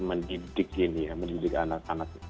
mendidik ini ya mendidik anak anak